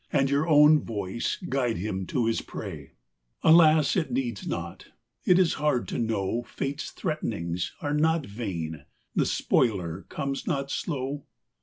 And your own voice guide him to his prey ; Alas, it needs not ; is it hard to know Fate's threat'nings are not vain, the spoiler comes not slow.